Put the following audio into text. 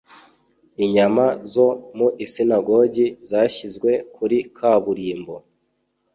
inyama zo mu isinagogi zashyizwe kuri kaburimbo